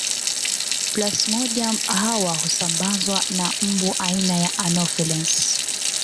Plasmodium hawa husambazwa na mbu aina ya Anofelesi